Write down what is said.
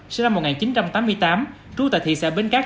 sinh năm một nghìn chín trăm tám mươi tám trú tại thị xã bến cát